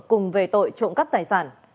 cùng về tội trộm cắp tài sản